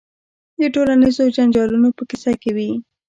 د ټولنیزو جنجالونو په کیسه کې وي.